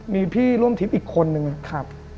มีพี่ร่วมทิพย์อีกคนนึงนะครับ